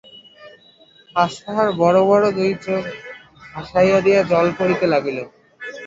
আজ তাহার বড়ো বড়ো দুই চোখ ভাসাইয়া দিয়া জল পড়িতে লাগিল।